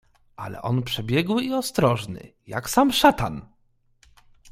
"Ale on przebiegły i ostrożny, jak sam szatan."